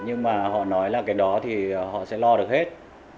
nhưng mà họ nói là cái đó thì họ sẽ lo được hết